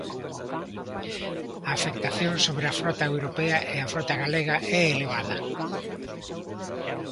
A afectación sobre a frota europea e a frota galega é elevada.